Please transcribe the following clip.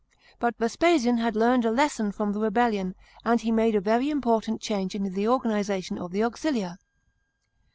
But Vespasian had learned a lesson from the rebellion, and he made a very important change in the organisation of the auxilia.